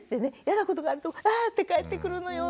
嫌なことがあるとあって帰ってくるのよ。